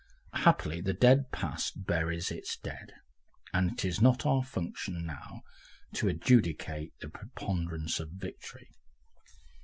Happily the dead past buries its dead, and it is not our function now to adjudicate the preponderance of victory.